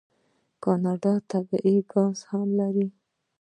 کاناډا طبیعي ګاز هم لري.